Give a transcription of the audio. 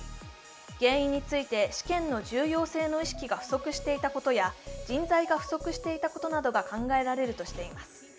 原因について試験の重要性の意識が不足していたことや人材が不足していたことなどが考えられるとしています。